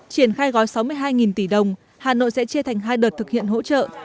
triển khai gói sáu mươi hai tỷ đồng hà nội sẽ chia thành hai đợt thực hiện hỗ trợ